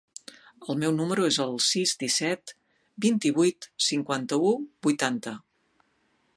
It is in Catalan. El meu número es el sis, disset, vint-i-vuit, cinquanta-u, vuitanta.